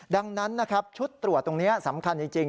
ดังนั้นนะครับชุดตรวจตรงนี้สำคัญจริง